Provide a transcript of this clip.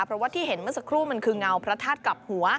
เพราะว่าที่เห็นเมื่อสักครู่มันคือเงาพระธาตุกลับหัว